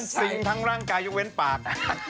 ซิงทั้งร่างกายยกเว้นปาก